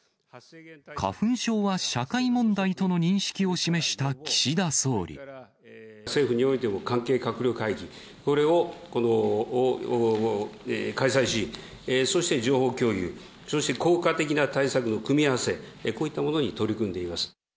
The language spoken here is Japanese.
花粉症は社会問題との認識を政府においても、関係閣僚会議、これを開催し、そして情報共有、そして効果的な対策の組み合わせ、こういったものに取り組んでいます。